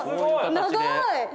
長い！